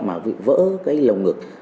mà vỡ lồng ngực